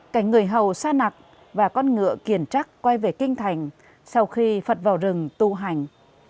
cảnh người hầu xa nặc và con ngựa kiền trắc quay về kinh thành sau khi phật vào rừng tu hành